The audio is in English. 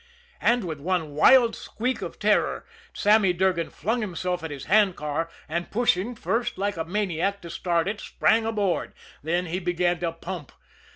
And with one wild squeak of terror Sammy Durgan flung himself at his handcar, and, pushing first like a maniac to start it, sprang aboard. Then he began to pump.